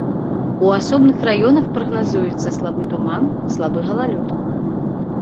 У асобных раёнах прагназуецца слабы туман, слабы галалёд.